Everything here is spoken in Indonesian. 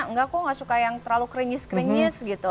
enggak kok gak suka yang terlalu keringis keringis